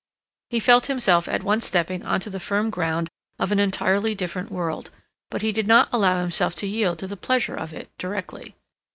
He felt himself at once stepping on to the firm ground of an entirely different world, but he did not allow himself to yield to the pleasure of it directly.